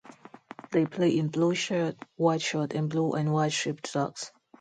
They play in blue shirts, white shorts and blue and white striped socks.